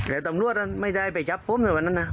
และตำรวจไม่ได้ไปใจผมถึงวันนั้นน่ะ